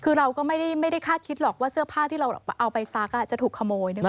คือเราก็ไม่ได้คาดคิดหรอกว่าเสื้อผ้าที่เราเอาไปซักจะถูกขโมยนึกไหม